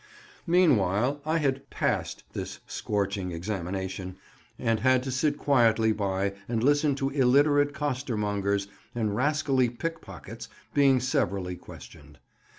Meanwhile, I had "passed" this scorching examination, and had to sit quietly by and listen to illiterate costermongers and rascally pickpockets being severally questioned.